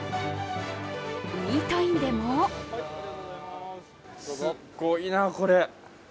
イートインでもすっごいな、これ。